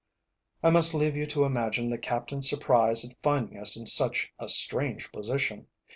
I must leave you to imagine the captain's surprise at finding us in such a strange position.